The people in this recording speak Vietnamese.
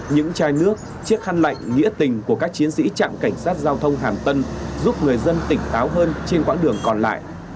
những chai nước chiếc khăn lạnh nghĩa tình của các chiến sĩ trạm cảnh sát giao thông hàm tân giúp người dân tỉnh táo hơn trên quãng đường còn lại